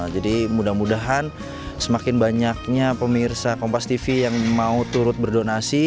jadi mudah mudahan semakin banyaknya pemirsa kompas tv yang mau turut berdonasi